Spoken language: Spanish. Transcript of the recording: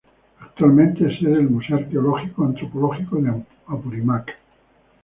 Actualmente es sede del Museo Arqueológico, Antropológico de Apurímac.